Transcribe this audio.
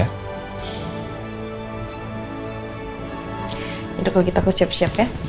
ya udah kalau gitu aku siap siap ya